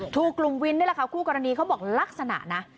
ถูกกลุ่มวินนี่แหละค่ะคู่กรณีเขาบอกลักษณะนะ